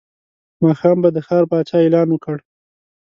ماښام به د ښار پاچا اعلان وکړ.